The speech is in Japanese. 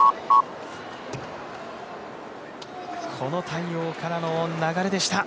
この対応からの流れでした。